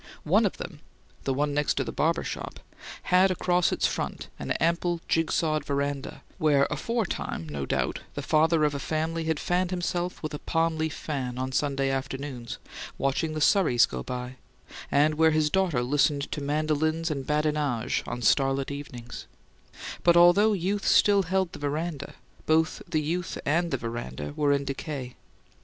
One of them the one next to the barber shop had across its front an ample, jig sawed veranda, where aforetime, no doubt, the father of a family had fanned himself with a palm leaf fan on Sunday afternoons, watching the surreys go by, and where his daughter listened to mandolins and badinage on starlit evenings; but, although youth still held the veranda, both the youth and the veranda were in decay.